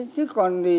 thế còn thì